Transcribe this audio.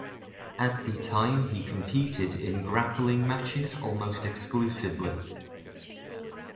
At the time he competed in grappling matches almost exclusively.